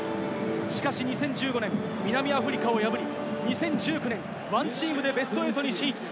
しかし２０１５年、南アフリカを破り、２０１９年、ＯＮＥＴＥＡＭでベスト８に進出。